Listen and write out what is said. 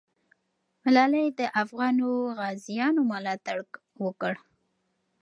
ملالۍ د افغانو غازیو ملاتړ وکړ.